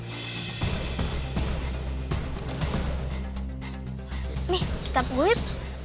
ini kita buit